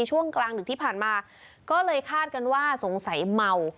ช่วงกลางดึกที่ผ่านมาก็เลยคาดกันว่าสงสัยเมา